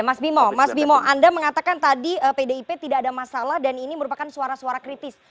mas bimo mas bimo anda mengatakan tadi pdip tidak ada masalah dan ini merupakan suara suara kritis